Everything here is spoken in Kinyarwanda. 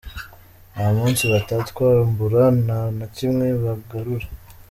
Nta munsi batatwambura, nta na kimwe bagarura.”